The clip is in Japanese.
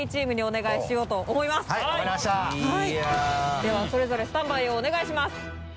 ではそれぞれスタンバイをお願いします。